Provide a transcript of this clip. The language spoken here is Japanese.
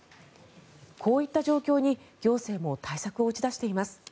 こういった状況に行政も対策を打ち出しています。